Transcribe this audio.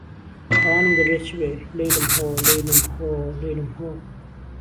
تاوانم دهبێ چ بێ، لهیلم هۆ لهیلم هۆ لهیلم هۆ